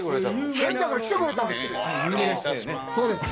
仙台から来てくれたんですよ。